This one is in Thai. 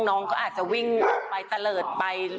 น้องก็อาจจะวิ่งไปตะเลิศไป